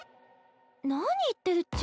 何言ってるっちゃ？